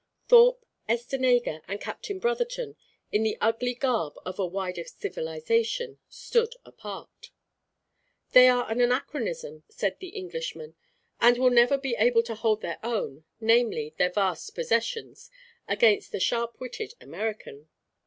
Thorpe, Estenega, and Captain Brotherton, in the ugly garb of a wider civilisation, stood apart. "They are an anachronism," said the Englishman, "and will never be able to hold their own, namely, their vast possessions, against the sharp witted American."